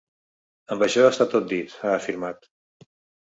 “Amb això està tot dit”, ha afirmat.